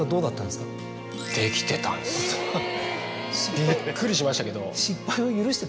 びっくりしましたけど。